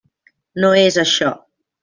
No és això.